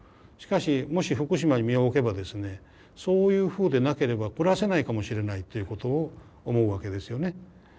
しかしもし福島に身を置けばですねそういうふうでなければ暮らせないかもしれないということを思うわけですよね。